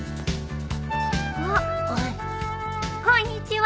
あっこんにちは。